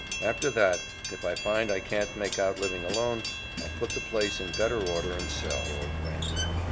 After that, if I find I can't make out living alone, I'll put the place in better order and sell or rent.